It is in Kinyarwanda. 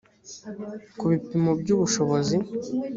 ku bipimo by ubushobozi